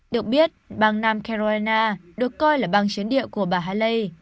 được biết bang nam carolina được coi là bang chiến địa của bà haley